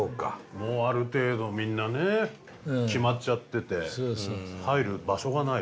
もうある程度みんなね決まっちゃってて入る場所がない。